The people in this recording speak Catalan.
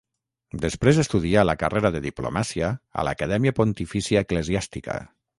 Després estudià la carrera de diplomàcia a l'Acadèmia Pontifícia Eclesiàstica.